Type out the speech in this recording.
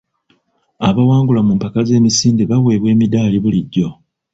Abawangula mu mpaka z'emisinde baweebwa emiddaali bulijjo?